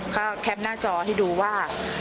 ค้าก้แล้วแคมป์หน้าจอให้ดูว่า